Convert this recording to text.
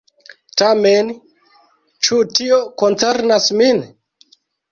Tamen, ĉu tio koncernas min?